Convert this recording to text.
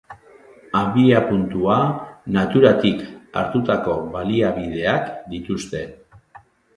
Abiapuntua naturatik hartutako baliabideak dituzte.